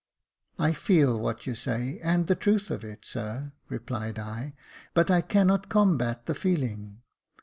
" I feel what you say — and the truth of it, sir," replied I ;" but I cannot combat the feeling.